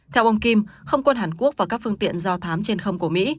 theo ông kim không quân hàn quốc và các phương tiện do thám trên không của mỹ